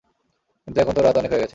কিন্তু এখন তো রাত অনেক হয়ে গেছে।